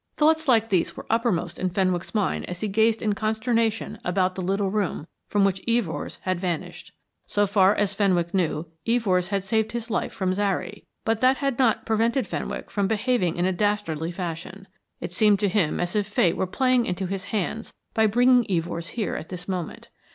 Thoughts like these were uppermost in Fenwick's mind as he gazed in consternation about the little room from which Evors had vanished. So far as Fenwick knew, Evors had saved his life from Zary, but that had not prevented Fenwick from behaving in a dastardly fashion. It seemed to him as if Fate were playing into his hands by bringing Evors here at this moment.